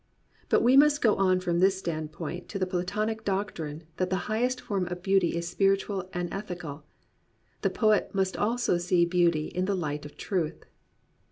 But we must go on from this standpoint to the Platonic doctrine that the highest form of beauty is spiritual and ethical. The poet must also see beauty in the light of truth.